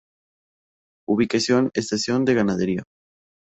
Ubicación: Estación de Ganadería.